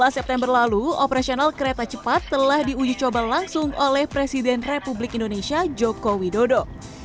dua belas september lalu operasional kereta cepat telah diuji coba langsung oleh presiden republik indonesia joko widodo